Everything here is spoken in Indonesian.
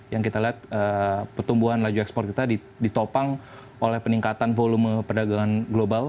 yang kita lihat pertumbuhan laju ekspor kita ditopang oleh peningkatan volume perdagangan global